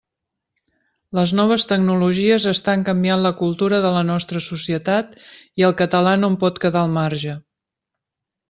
Les noves tecnologies estan canviant la cultura de la nostra societat i el català no en pot quedar al marge.